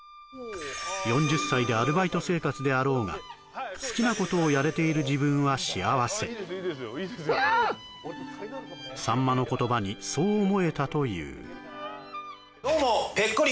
４０歳でアルバイト生活であろうが好きなことをやれている自分は幸せさんまの言葉にそう思えたというどうもぺっこり